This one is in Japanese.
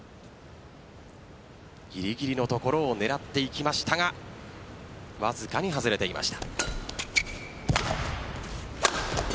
ぎりぎりの所を狙っていきましたがわずかに外れていました。